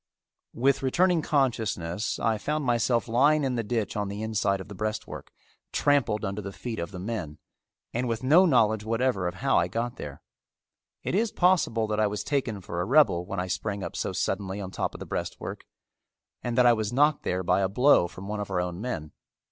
With returning consciousness I found myself lying in the ditch on the inside of the breastwork, trampled under the feet of the men, and with no knowledge whatever of how I got there. It is possible that I was taken for a rebel when I sprang up so suddenly on top of the breastwork and that I was knocked there by a blow from one of our own men.